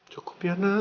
cukup ya nak